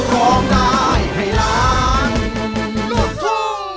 ร้องได้